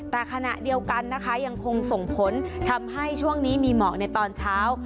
แต่ขณะเดียวกันนะคะยังคงส่งผลทำให้ช่วงนี้มีหมอกในตอนเช้า